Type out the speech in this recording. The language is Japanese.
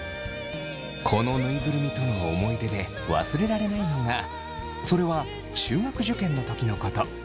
このぬいぐるみとの思い出で忘れられないのがそれは中学受験の時のこと。